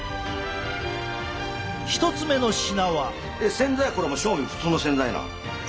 洗剤はこれ正味普通の洗剤なん？